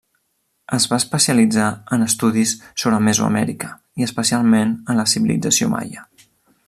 Es va especialitzar en estudis sobre Mesoamèrica i especialment en la civilització maia.